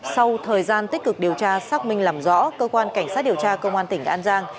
sau thời gian tích cực điều tra xác minh làm rõ cơ quan cảnh sát điều tra công an tỉnh an giang